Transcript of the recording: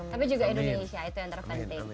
tapi juga indonesia itu yang terpenting